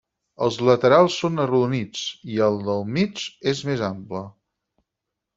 Els laterals són arrodonits, i el del mig és més ample.